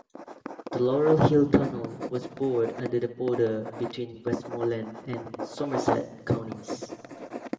The Laurel Hill Tunnel was bored under the border between Westmoreland and Somerset Counties.